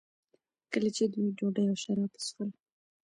کله چې دوی ډوډۍ او شراب وڅښل.